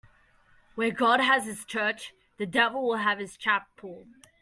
Where God has his church, the devil will have his chapel.